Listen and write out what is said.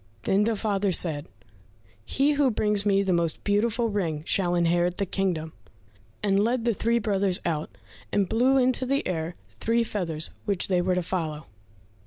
Then the father said, "He who brings me the most beautiful ring shall inherit the kingdom," and led the three brothers out, and blew into the air three feathers, which they were to follow.